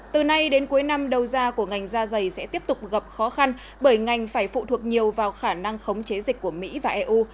từ nay đến cuối năm đầu ra của ngành da dày sẽ tiếp tục gặp khó khăn bởi ngành phải phụ thuộc nhiều vào khả năng khống chế dịch của mỹ và eu